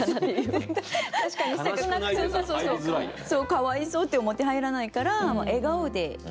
かわいそうって思って入らないから笑顔で。